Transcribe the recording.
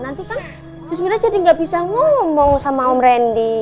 nanti kan susmina jadi gak bisa ngomong sama om rendi